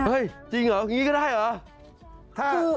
จริงเหรออย่างนี้ก็ได้เหรอ